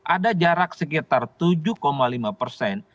ada jarak sekitar tujuh lima persen